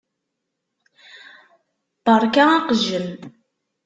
Beṛka aqejjem.